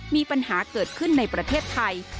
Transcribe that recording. มีปัญหาเกิดขึ้นในประเทศไทย